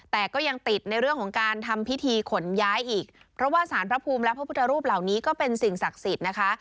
แต่ก็ยังติดในเรื่องของการทำพิธีขนย้ายอีกเพราะว่าสารพระภูมิและพระพุทธรูปเหล่านี้ก็เป็นสิ่งศักดิ์สิทธิ์นะคะ